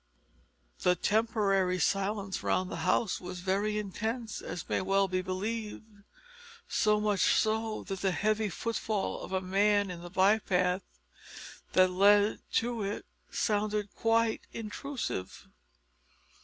The temporary silence round the house was very intense, as may well be believed so much so that the heavy foot fall of a man in the bypath that led to it sounded quite intrusive.